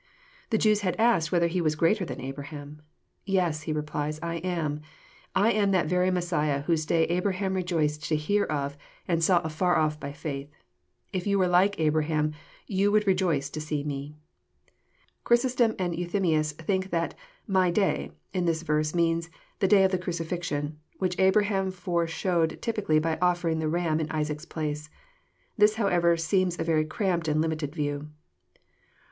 The Jews had asked whether he was greater than Abraham? "Yes," he replies, *' I am. I am that very Messiah whose day Abraham rejoiced to hear of, and saw afar off by faith. If you were like Abraham yon would rejoice to see Me." Chrysostom and Enthymius think that " My day," in this Terse, means " the day of the crucifixion, which Abraham fore showed typically by offering the ram in Isaac's place." This however seems a very cramped and limited view.